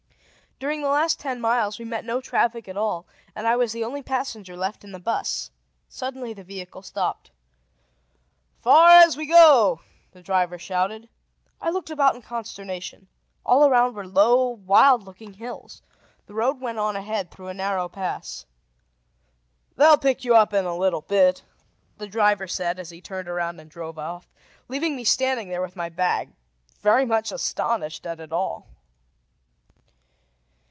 During the last ten miles we met no traffic at all, and I was the only passenger left in the bus. Suddenly the vehicle stopped. "Far as we go!" the driver shouted. I looked about in consternation. All around were low, wild looking hills. The road went on ahead through a narrow pass. "They'll pick you up in a little bit," the driver said as he turned around and drove off, leaving me standing there with my bag, very much astonished at it all.